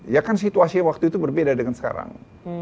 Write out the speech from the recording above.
ya kan situasi waktu itu berbeda dengan sekarang